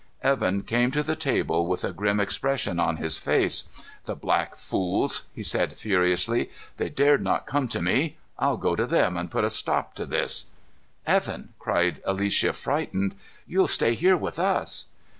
Evan came to the table with a grim expression on his face. "The black fools!" he said furiously. "They dared not come to me! I'll go to them and put a stop to this!" "Evan!" exclaimed Alicia, frightened. "You'll stay here with us!"